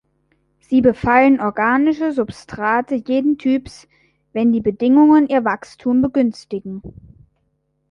Sie befallen organische Substrate jeden Typs, wenn die Bedingungen ihr Wachstum begünstigen.